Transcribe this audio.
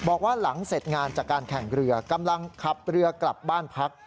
บอกว่าหลังเสร็จงานจากการแข่งเรือกำลังขับเรือกลับบ้านพัก